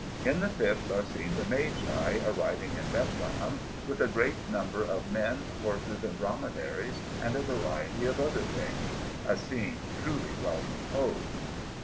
In the fifth are seen the Magi arriving in Bethlehem with a great number of men, horses, and dromedaries, and a variety of other things a scene truly well composed.